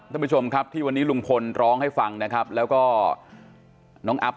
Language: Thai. ท่านผู้ชมครับที่วันนี้ลุงพลร้องให้ฟังนะครับแล้วก็น้องอัพ